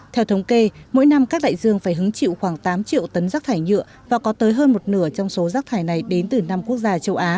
theo thống kê mỗi năm các đại dương phải hứng chịu khoảng tám triệu tấn rác thải nhựa và có tới hơn một nửa trong số rác thải này đến từ năm quốc gia châu á